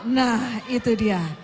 nah itu dia